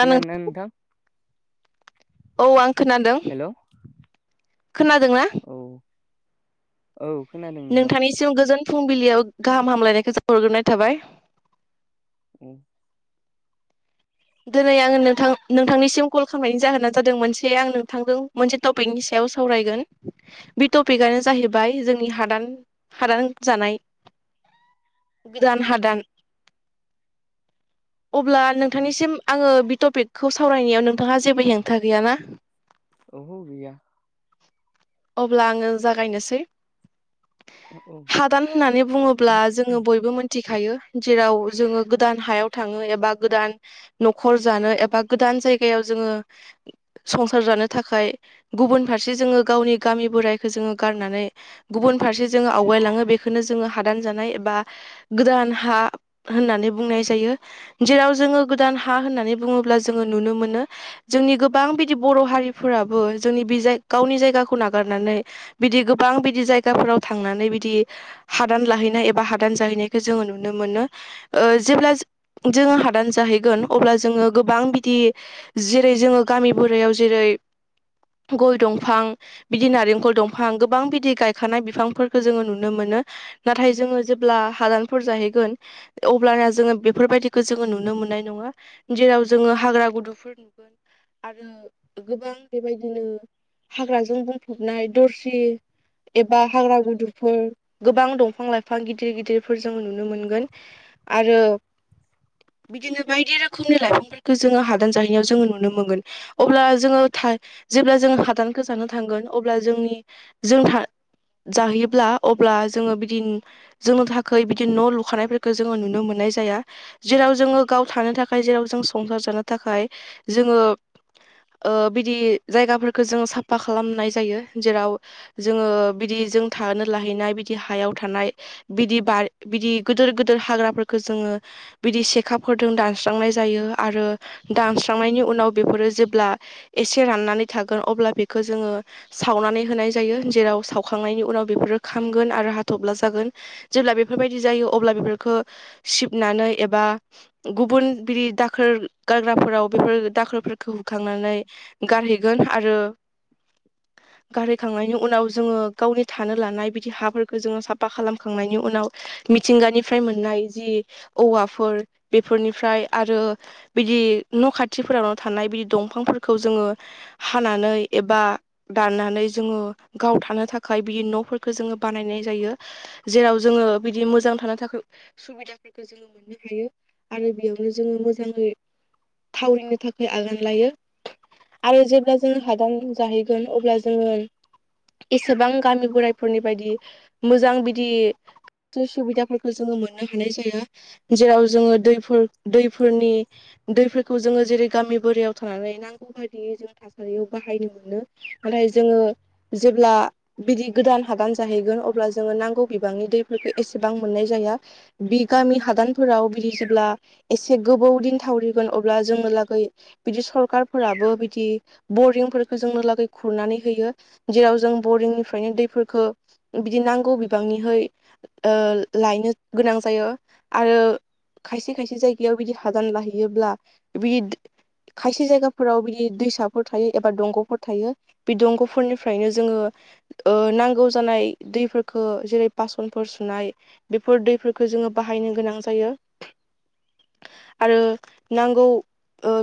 खोनादोंना नोंथां औ आं खोनादों हेल' औ खोनादों ना औ खोनादों नोंथां सिम गोजोन फुंबिलियाव गाहाम हामलायनायखौ जा हरग्रोनाय थाबाय उम दिनै आङो नोंथां नोंथांनिसिम कल खालामनायनि जाहोना जादों मोनसे आं नोंथांजों मोनसे टपिकनि सायाव सावरायगोन बे टपिकआनो जाहैबाय जोंनि हादान हादान जानाय गोदान हादान अब्ला नोंथांनिसिम आङो बे टपिकखौ सावरायनायाव नोंथाङा जेबो हेंथा गैया ना औहो गैया अब्ला आङो जागायनोसै औ औ हादान होननानै बुङोब्ला जोङो बयबो मोनथिखायो जेराव जोङो गोदान हायाव थाङो एबा गोदान न'खर जानो एबा गोदान जायगायाव जोङो संसार जानो थाखाय गुबुन फारसे जोङो गावनि गामि बोरायखौ जोङो गारनानै गुबुन फारसे जोङो आवगायलाङो बेखौनो जोङो हादान जानाय एबा गोदान हा होननानै बुंनाय जायो जेराव जोङो गोदान हा होननानै बुङोब्ला जोङो नुनो मोनो जोंनि गोबां बिदि बर' हारिफोराबो जोंनि बे जाय गावनि जायगाखौ नागारनानै बिदि गोबां बिदि जायगाफोराव थांनानै बिदि हादान लाहैनाय एबा हादान जाहैनायखौ जोङो नुनो मोनो ओ जेब्ला जोङो हादान जाहै गोन अब्ला जोङो गोबां बिदि जेरै जोङो गामि बोरायाव जेरै गय दंफां बिदि नारेंखल दंफां गोबां बिदि गायखानाय बिफांफोरखौ जोङो नुनो मोनो नाथाय जोङो जेब्ला हादानफोर जाहैगोन अब्लाना जोङो बेफोरबायदिखौ जोङो नुनो मोननाय नङा जेराव जोङो हाग्रा गुदुफोर नुगोन आरो गोबां बेबायदिनो हाग्राजों बुंफबनाय दरसि एबा हाग्रा गुदुंफोर गोबां दंफां लाइफां गिदिर गिदिरफोर जों नुनो मोनगोन आरो बिदिनो बायदि रोखोमनि लाइफांफोरखौ जोङो हादान जाहैनायाव जोङो नुनो मोनगोन अब्ला जोङो जेब्ला जोङो हादानखौ जानो थांगोन अब्ला जोंनि जों जाहैयोब्ला अब्ला जोङो बिदिन जोंनो थाखाय बिदि न' लुखानायफोरखौ जोङो नुनो मोननाय जाया जेराव जोङो गाव थानो थाखाय जेराव जों संसार जानो थाखाय जोङो ओ बिदि जायगाफोरखौ जोङो साफा खालामनाय जायो जेराव जोङो बिदि जों थानो लाहैनाय बिदि हायाव थानाय बिदि बार बिदि गोदिर गोदिर हाग्राफोरखौ जोङो बिदि सेखा फोरजों दानस्रांनाय जायो आरो दानस्रांनायनि उनाव बेफोरो जेब्ला एसे राननानै थागोन अब्ला बेखौ जोङो सावनानै होनाय जायो जेराव सावखांनायनि उनाव बेफोरो खामगोन आरो हाथबब्ला जागोन जेब्ला बेफोरबायदि जायो अब्ला बेफोरखौ सिबनानै एबा गुबुन बिदि दाखोर गारग्राफोराव बेफोर दाखोरफोर होखांनानै गारहैगोन आरो गारहैखांनायनि उनाव जोङो गावनि थानो लानाय बिदि हाफोरखौ जोङो साफा खालामखांनायनि उनाव मिथिंगानिफ्राय मोननाय जि औवाफोर बेफोरनिफ्राय आरो बिदि न' खाथिफोरावनो थानाय बिदि दंफांफोरखौ जोङो हानानै एबा दाननानै जोङो गाव थानो थाखाय बि न'फोरखौ जोङो बानायनाय जायो। जेराव जोङो बिदि मोजां थानो थाखाय सुबिदाफोरखौ जोङो मोननो हायो आरो बेयावनो जोङो मोजाङै थावरिनो थाखाय आगान लायो आरो जेब्ला जोङो हादान जाहैगोन अब्ला जोङो एसेबां गामि बोराइफोरनि बायदि मोजां बिदि सुबिदाफोरखौ जोङो मोननो हानाय जाया जेराव जोङो दैफोर दैफोरनि दै खौ जोङो जेरै गामि बोरायाव थानानै नांगौ बायदियै जों थासारियाव बाहायनो मोनो नाथाय जोङो जेब्ला बिदि गोदान हादान जाहैगोन अब्ला जोङो नांगौ बिबांनि दैफोरखौ एसेबां मोननाय जाया बि गामि हादानफोराव जेब्ला एसे गोबौ दिन थावरिगोन अब्ला जोङो लागै बिदि सरखारफोराबो बिदि बरिंफोरखौ जोंनो लागै खुरनानै होयो जेराव जों बरिंनिफ्रायनो दैफोरखौ बिदि नांगौ बिबांनिहै लायनो गोनां जायो आरो खायसे खायसे जायगायाव बिदि हादान लाहैयोब्ला बिदि खायसे जायगाफोराव बिदि दैसाफोर थायो एबा दंग'फोर थायो बे दंग'फोरनिफ्रायनो जोङो ओ नांगौ जानाय दैफोरखो जेरै बासनफोर सुनाय बिफोर दैफोरखो जोङो बाहायनो गोनां जायो आरो नांगौ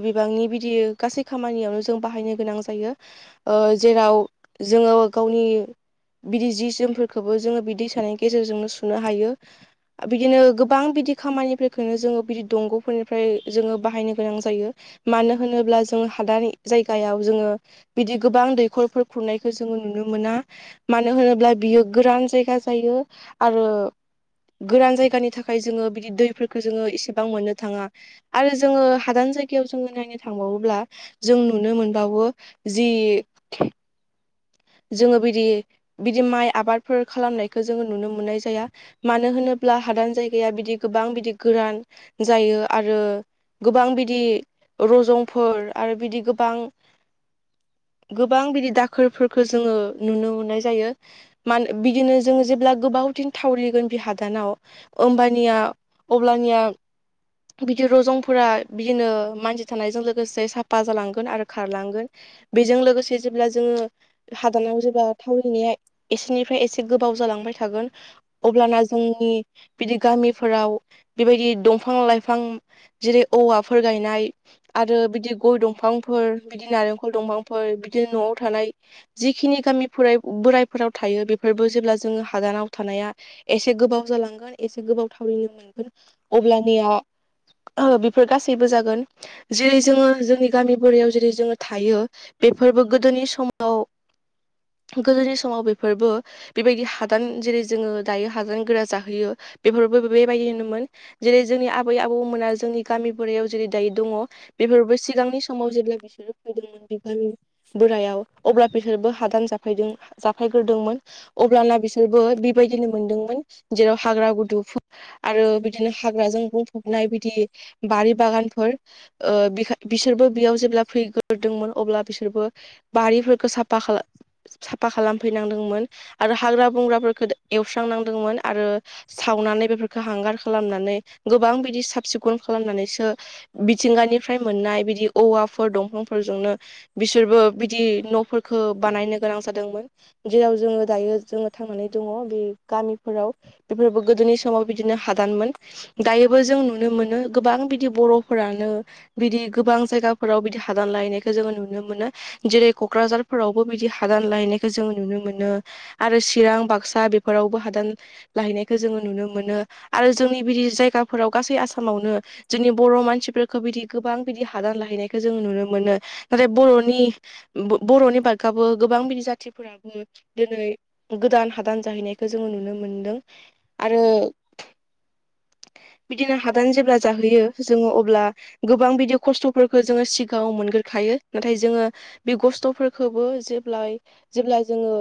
बिबांनि बिदि गासै खामानियावनो जों बाहायनो गोनां जायो जेराव जोङो गावनि बिदि जि जोमफोरखौबो जोङो बि दैसानि गेजेरजोंनो सुनो हायो बिदिनो गोबां बिदि खामानिफोरखौनो जोङो बिदि दंग'फोरनिफ्राय जोङो बाहायनो गोनां जायो मानो होनोब्ला जों हादान जायगायाव जोङो बिदि गोबां दैखरफोर खुरनायखौ जोङो नुनो मोना मानो होनोब्ला बियो गोरान जायगा जायो आरो गोरान जायगानि थाखाय जोङो बिदि दैफोरखो जोङो इसेबां मोननो थाङा आरो जोङो हादान जायगायाव जोङो नायनो थांबावोब्ला जों नुनो मोनबावो जि जोङो बिदि बिदि माइ आबादफोर खालामनायखो जोङो नुनो मोननाय जाया मानो होनोब्ला हादान जायगाया बिदि गोबां बिदि गोरान जायो आरो गोबां बिदि रजंफोर आरो बिदि गोबां गोबां बिदि दाखोरफोरखौ जोङो नुनो मोननाय जायो मान बिदिनो जोङो जेब्ला गोबाव दिन थावरिगोन बि हादानाव होमबानिया अब्लानिया बिदि रजंफोरा बिदिनो मानसि थानायजों लोगोसे साफा जालांगोन आरो खारलांगोन बेजों लोगोसे जेब्ला जोङो हादानाव जेब्ला थावरिनाया एसेनिफ्राय एसे गोबाव जालांबाय थागोन अब्लाना जोंनि बिदि गामिफोराव बेबायदि दंफां लाइफां जेरै औवाफोर गायनाय आरो बिदि गय दंफांफोर बिदि नारेंखल दंफांफोर बिदिनो न'आव थानाय जिखिनि गामिफोराय बोरायफोराव थायो बेफोरबो जेब्ला जोङो हादानाव थानाया एसे गोबाव जालांगोन एसे गोबाव थावरिनो मोनगोन अब्लानिया ओ बिफोर गासैबो जागोन जेरै जोङो जोंनि गामि बोरायाव जेरै जोङो थायो बेफोरबो गोदोनि समाव गोदोनि समाव बेफोरबो बेबायदि हादान जेरै जोङो दायो हादान गोरा जाहैयो बेफोरावबो बेबायदिनो मोन जेरै जोंनि आबै आबौमोना जोंनि गामि बोरायाव जेरै दायो दङ' बेफोरबो सिगांनि समाव जेब्ला बिसोरो फैदोंमोन बिफोर बोरायाव अब्ला बिसोरबो हादान जाफायदों जाफायग्रोदोंमोन अब्लाना बिसोरबो बेबायदिनो मोनदोंमोन जेराव हाग्रा गुदुंफोर आरो बिदिनो हाग्राजों बुंफबनाय बिदि बारि बागानफोर ओ बिखाय बिसोरबो बियाव जेब्ला फैग्रोदोंमोन अब्ला बिसोरबो बारिफोरखौ सा फा खालाम साफा खालामफैनांदोंमोन आरो हाग्रा बंग्राफोरफोरखो एवस्रांनांदोंमोन आरो सावनानै बेफोरखो हांगार खालामनानै गोबां बिदि साब सिखुन खालामनानैसो मिथिंगानिफ्राय मोननाय बिदि औवाफोर दंफांफोरजोंनो बिसोरबो बिदि न'फोरखो बानायनो गोनां जादोंमोन जेराव जोङो दायो जोङो थांनानै दङ' बे गामिफोराव बेफोरबो गोदोनि समाव बिदिनो हादानमोन दायोबो जों नुनो मोनो गोबां बिदि बर'फोरानो बिदि गोबां जायगाफोराव बिदि हादान लायैनायखौ जोङो नुनो मोनो जेरै क'क्राझार फोरावबो बिदि हादान लायनायखौ जोङो नुनो मोनो आरो चिरां बाक्सा बेफोरावबो हादान लाहैनायखौ जोङो नुनो मोनो आरो जोंनि बिदि जायगाफोराव गासै आसामावनो जोंनि बर' मानसिफोरखौ बिदि गोबां बिदि हादान लाहैनायखौ जोंङो नुनो मोनो नाथाय बर'नि बर'नि बारगाबो गोबां बिदि जाथिफोर बाबो दिनै गोदान हादान जाहैनायखौ जोङो नुनो मोनदों आरो बिदिनो हादान जेब्ला जाहोयो जोङो अब्ला गोबां बिदि खस्थ'फोरखौ जोङो सिगाङाव मोनग्रोखायो नाथाय जोङो बे खस्थ'फोर खोबो जेब्लाय जेब्ला जोङो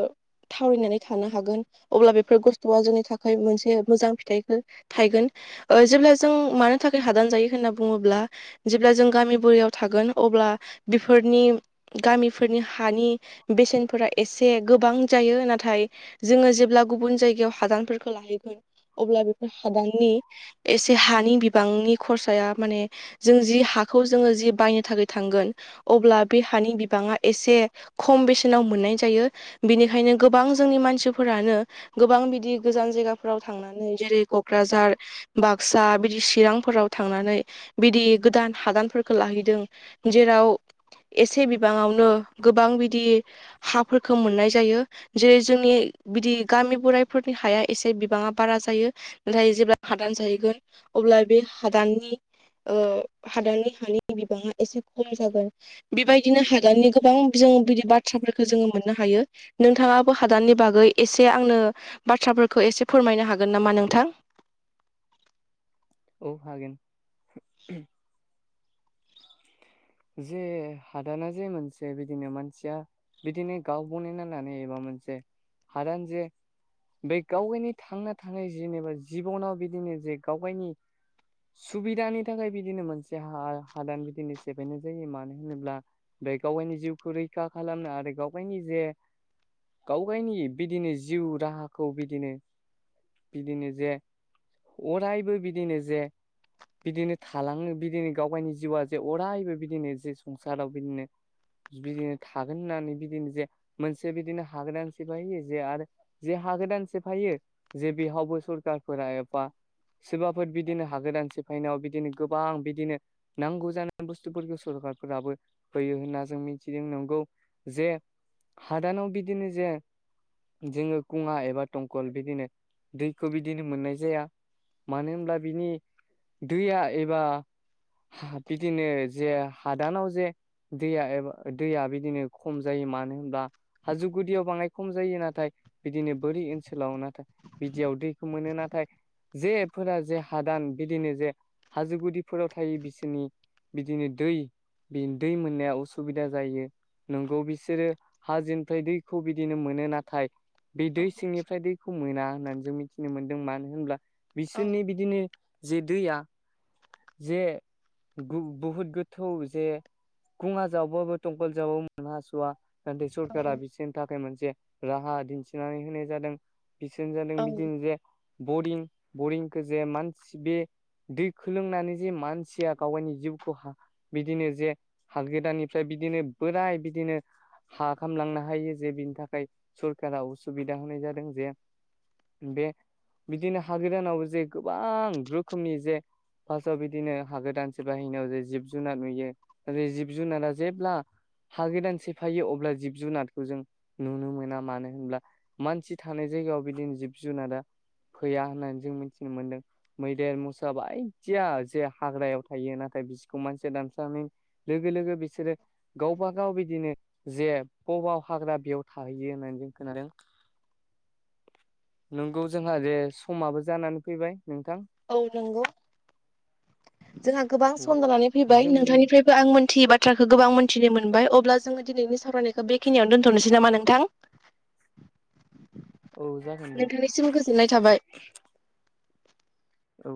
थावरिनानै थानो हागोन अब्ला बेफोर कस्थुआ जोंनि थाखाय मोनसे मोजां फिथाइखो थायगोन जेब्ला जों मानो थाखाय हादान जायो होनना बुङोब्ला जेब्ला जों गामि बुरायाव थागोन अब्ला बेफोरनि गामिफोर हानि बेसेनफोरा एसे गोबां जायो नाथाय जोङो जेब्ला गुबुन जायगायाव हादानफोरखो लाहैगोन अब्ला बेफोर हादाननि एसे हानि बिबांनि खरसाया माने जों जि हाखौ जोङो जि बायनो थाखाय थांगोन अब्ला बे हानि बिबाङा एसे खम बेसेनाव मोननाय जायो बेनिखायनो गोबां जोंनि मानसिफोरानो गोबां बिदि गोजान जायगाफोराव थांनानै जेरै क'क्राझार बाक्सा बिदि चिरांफोराव थांनानै बिदि गोदान हादानफोरखौ लाहैदों जेराव एसे बिबाङावनो गोबां बिदि हाफोरखौ मोननाय जायो जेरै जोंनि बिदि गामि बोराइफोरनि हाया एसे बिबाङा बारा जायो नाथाय जेब्ला हादान जाहैगोन अब्ला बे हादाननि हादाननि हानि बिबाङा एसे खम जागोन बेबायदिनो हादाननि गोबां जों बिदि बाथ्राफोरखौ जोङो मोननो हायो नोंथाङाबो हादाननि बागै एसे आंनो बाथ्राफोरखौ एसे फोरमायनो हागोन नामा नोंथां औ हागोन [inaudible] जे हादाना जे मोनसे बिदिनो मानसिया बिदिनो गाव बनायना लानाय एबा मोनसे हादान जे बे गावगायनि थांना थानाय जेनेबा जिबनाव बिदिनो जे गाव गावगायनि सुबिदानि थाखाय बिदिनो मोनसे हा हादान बिदिनो सेफायनाय जायो मानो होनोब्ला बे गाव गावगायनि जिउखौ रैखा खालामनो आरो गाव गावगायनि जे गाव गावगायनि बिदिनो जिउ राहाखौ बिदिनो बिदिनो जे अरायबो बिदिनो जे बिदिनो थालाङो बिदिनो गाव गावनि जिउआ जे अरायबो बिदिनो जे संसाराव बिदिनो बिदिनो थागोन होननानै बिदिनो जे मोनसे बिदिनो हाग्रोनानोसै बायो जे आरो जे हा गोदान सेफायो जे बेहावबो सरखारफोरा एबा सोरबाफोर बिदिनो हागोदानसेफायनायाव बिदिनो गोबां बिदिनो नांगौ जानाय बुस्थुफोरखौ सरखारारफोराबो होयो होनना जों मिथिदों नंगौ जे हादानाव बिदिनो जे जोङो खुङा एबा दंखल बिदिनो दैखौ बिदिनो मोननाय जाया मानो होनब्ला बिनि दैया एबा हा बिदिनो जे हादानाव जे दैया एबा दैया बिदिनो खम जायो मानो होनब्ला हाजो गुदियाव बाङाय खम जायो नाथाय बिदिनो बोरै ओनसोलाव नाथाय बिदियाव दैखौ मोनो नाथाय जेफोरा जे हादान बिदिनो जे हाजो गुदिफोराव थायो बिसोर नि बिदिनो दै दै मोननाया असुबिदा जायो नोंगौ बिसोरो हाजोनिफ्राय दैखौ बिदिनो मोनो नाथाय बे औ दै सिंनिफ्राय दैखौ मोना होननानै जों मिथिनो मोनदों मानो होनब्ला औ बिसोरनि बिदिनो जे दैया जे गु बहुद गोथौ जे खुङा जावबाबो दंखल जावाबो मोन हास'वा नाथाय सरखारा औ बिसोरनि थाखाय मोनसे राहा दिन्थिनानै होनाय जादों। बिसोर जादों औ बिदिनो जे बरिं बरिंखौ जे मानसि बे दै सोलोंनानै जे मानसिया गावावनि जिउखौ हा बिदिनो जे हागोदाननिफ्राय बिदिनो बोराय बिदिनो हा खालामलांनो हायो जे बिनि थाखाय सरखारा उसुबिदा होनाय जादों जे बे बिदिनो हागोदानाव जे गोबां रोखोमनि जे फार्स्टआव बिदिनो हागोदान सिफायहैनायाव जे जिब जुनार नुयो बे जिब जुनारा जेब्ला हा गोदानसेफायो अब्ला जिब जुनारखौ जों नुनो मोना मानो होनब्ला मानसि थानाय जायगायाव बिदिनो जिब जुनारा फैया होननानै जों मिथिनो मोनदों मैदेर मोसा बाय थिया जे हाग्रायाव थायो नाथाय बिसोरखौ मानसिया दानस्रानाय लोगो लोगो बिसोरो गावबागाव बिदिनो जे बबाव हाग्रा बेयाव थाहैयो होननानै जों खोनादों [inaudible] नंगौ जोंहा जे समाबो जानानै फैबाय नोंथां औ नंगौ जोंहा गोबां औ सम जानानै फैबाय जों नोंथांनिफ्राय आं मोनथियै बाथ्राखौ गोबां मोनथिनो मोनबाय अब्ला जोंङो दिनैनि सावरायनायखौ बेखिनियाव दोन्थ'नोसै नामा नोंथां [inaudible] औ जागोन दे सिम गोजोननाय थाबाय औ